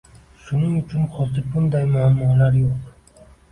Shuning uchun hozir bunday muammolar yoʻq.